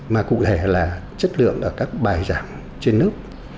mà cụ thể là chất lượng ở các bài giảng trên lớp